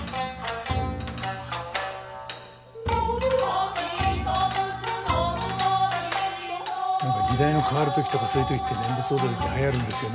南無阿弥陀仏南無阿弥陀何か時代が変わる時とかそういう時って念仏踊りってはやるんですよね。